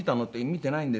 「見てないんです」